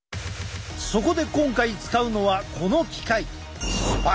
そこで今回使うのはこの機械。